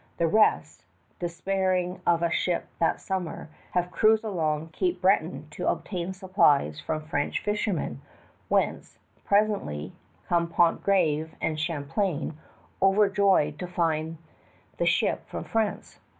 The rest, despairing of a ship that summer, have cruised along to Cape Breton to obtain supplies from French fishermen, whence, presently, come Pontgravé and Champlain, overjoyed to find the ship from France.